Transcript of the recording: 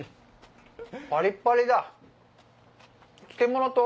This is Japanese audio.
パリッパリだ。